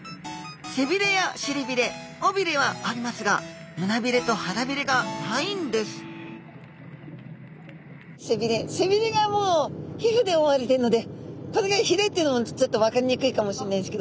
背びれやしりびれ尾びれはありますが背びれ背びれがもう皮膚で覆われているのでこれがひれっていうのもちょっと分かりにくいかもしれないですけど。